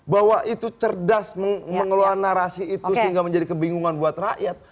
bahwa itu cerdas mengeluarkan narasi itu sehingga menjadi kebingungan buat rakyat